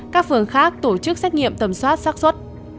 các phường khác tổ chức xét nghiệm tầm soát sắc xuất